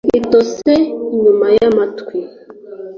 itose inyuma yamatwi.